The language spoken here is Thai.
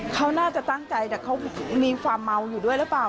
เขาน่าจะตั้งใจแต่เขามีความเมาอยู่ด้วยหรือเปล่า